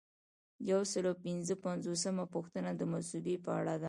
یو سل او پنځه پنځوسمه پوښتنه د مصوبې په اړه ده.